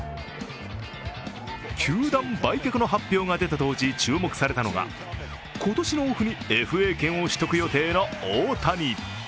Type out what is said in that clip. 球団売却の発表が出た当時、注目されたのが今年のオフにＦＡ権を取得予定の大谷。